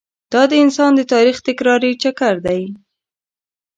دا د انسان د تاریخ تکراري چکر دی.